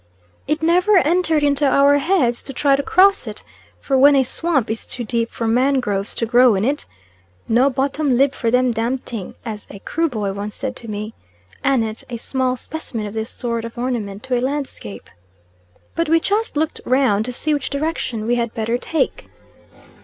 It never entered into our heads to try to cross it, for when a swamp is too deep for mangroves to grow in it, "No bottom lib for them dam ting," as a Kruboy once said to me, anent a small specimen of this sort of ornament to a landscape. But we just looked round to see which direction we had better take.